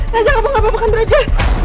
raja kamu gak apa apa kan raja